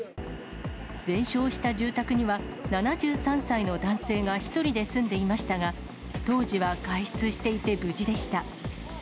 全焼した住宅には、７３歳の男性が１人で住んでいましたが、当時は外出していて、無事でした。